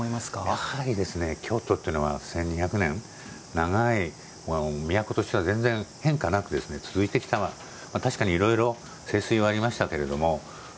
やはり京都というのは１２００年、長く都としては全然変化なく続いてきたわけで確かにいろいろ盛衰はありましたけど。